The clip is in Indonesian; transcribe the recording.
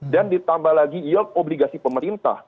dan ditambah lagi yield obligasi pemerintah